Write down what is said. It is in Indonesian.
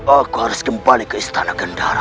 aku harus kembali ke istana kendara